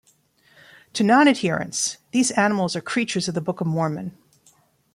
To non-adherents, these animals are creatures of the Book of Mormon.